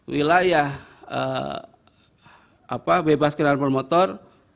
wilayah bebas kendaraan bermotor